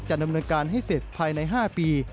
ดำเนินการให้เสร็จภายใน๕ปี